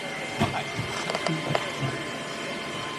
Peano was a key participant, presenting a paper on mathematical logic.